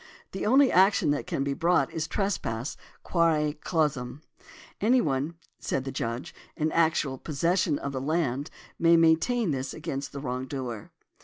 The only action that can be brought is trespass quare clausum. Any one, said the Judge, in actual possession of the land may maintain this against a wrong doer.